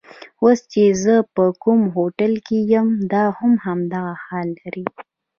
اوس چې زه په کوم هوټل کې یم دا هم همدغه حال لري.